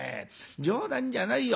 冗談じゃないよ